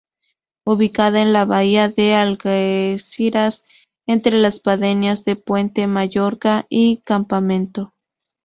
Ubicada en la Bahía de Algeciras entre las pedanías de Puente Mayorga y Campamento.